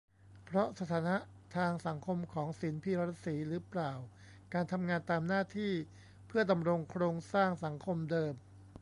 เพราะสถานะทางสังคมของ ศิลป์ พีระศรี รึเปล่า การทำงานตามหน้าที่ เพื่อดำรงโครงสร้างสังคมเดิม